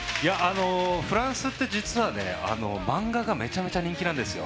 フランスって、実は漫画めちゃめちゃ人気なんですよ。